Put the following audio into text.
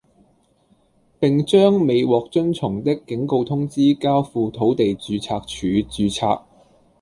並將未獲遵從的警告通知交付土地註冊處註冊